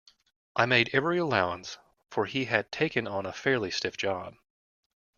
I made every allowance, for he had taken on a fairly stiff job.